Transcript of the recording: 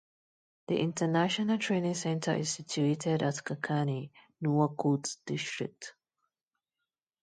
The International training center is situated at Kakani, Nuwakot District.